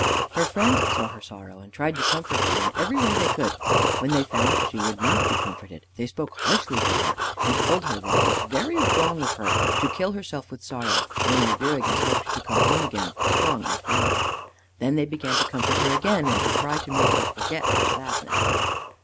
Her friends saw her sorrow, and tried to comfort her in every way they could. When they found she would not be comforted, they spoke harshly to her, and told her that it was very wrong of her to kill herself with sorrow, when Arviragus hoped to come home again strong and famous. Then they began to comfort her again, and to try to make her forget her sadness.